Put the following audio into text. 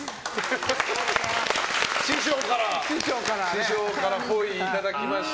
師匠からっぽいいただきました。